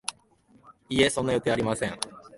いえ、そんな予定はありません